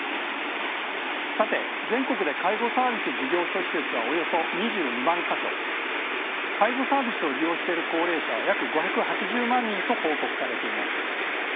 さて全国で介護サービス事業所・施設はおよそ２２万か所介護サービスを利用している高齢者は約５８０万人と報告されています。